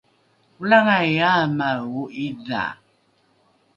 olangai aamae o ’idha